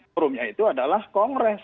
forumnya itu adalah kongres